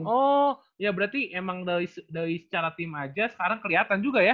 oh ya berarti emang dari secara tim aja sekarang kelihatan juga ya